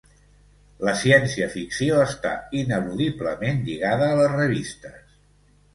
La ciència-ficció està ineludiblement lligada a les revistes.